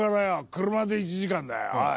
車で１時間だよおい。